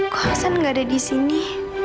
kok aksan nggak ada di sini